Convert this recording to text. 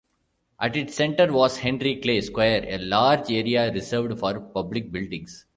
At its center was Henry Clay Square, a large area reserved for public buildings.